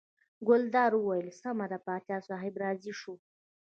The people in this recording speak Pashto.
ګلداد وویل سمه ده پاچا صاحب راضي شو.